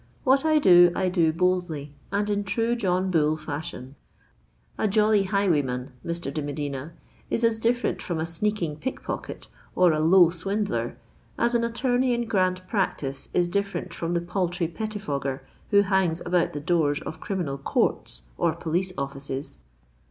What I do, I do boldly and in true John Bull fashion. A jolly highwayman, Mr. de Medina, is as different from a sneaking pickpocket or a low swindler, as an attorney in grand practice is different from the paltry pettifogger who hangs about the doors of criminal courts or police offices.